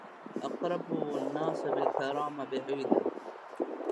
أقرب الناس بالكرام بعيد